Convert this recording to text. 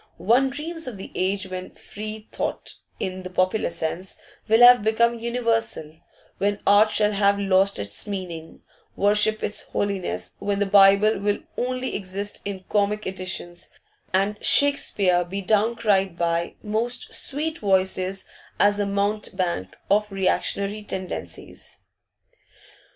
One dreams of the age when free thought in the popular sense will have become universal, when art shall have lost its meaning, worship its holiness, when the Bible will only exist in 'comic' editions, and Shakespeare be down cried by 'most sweet voices as a mountebank of reactionary tendencies.